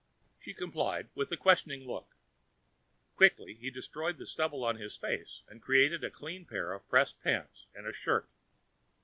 She complied, with a questioning look. Quickly he destroyed the stubble on his face and created a clean pair of pressed pants and a shirt.